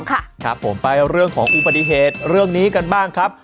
ครับผมไปเรื่องของอุบัติเหตุเรื่องนี้กันบ้างครับ